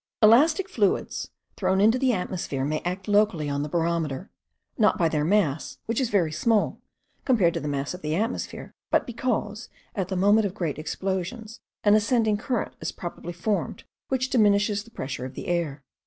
Elastic fluids thrown into the atmosphere may act locally on the barometer, not by their mass, which is very small, compared to the mass of the atmosphere, but because, at the moment of great explosions, an ascending current is probably formed, which diminishes the pressure of the air.